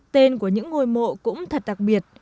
tên của những ngôi mộ cũng thật đặc biệt